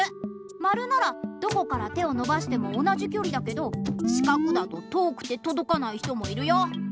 まるならどこから手をのばしても同じきょりだけどしかくだと遠くてとどかない人もいるよ！